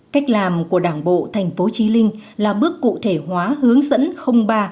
cách làm của đảng bộ thành phố trí linh là bước cụ thể hóa hướng dẫn ba